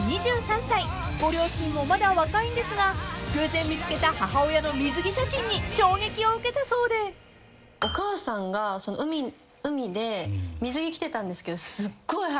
［ご両親もまだ若いんですが偶然見つけた母親の水着写真に衝撃を受けたそうで］着てたんですけど。